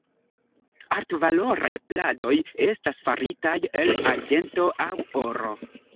Altvaloraj pladoj estas faritaj el arĝento aŭ oro.